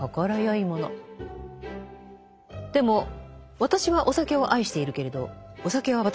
でも私はお酒を愛しているけれどお酒は私を愛してはくれない。